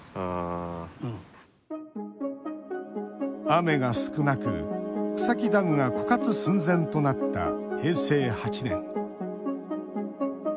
雨が少なく、草木ダムが枯渇寸前となった平成８年。